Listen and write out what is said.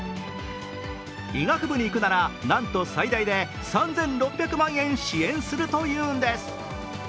医学部に行くなら、なんと最大で３６００万円支援するというんです。